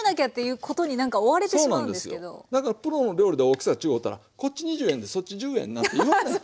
だからプロの料理で大きさ違うたらこっち２０円でそっち１０円なんて言わない。